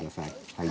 はい。